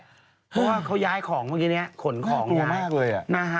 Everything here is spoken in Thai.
เพราะว่าเขาย้ายของเมื่อกี๊เนี้ยข่นของ